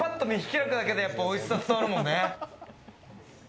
目をぱっと見開くだけで、やっぱおいしさ伝わるもんね。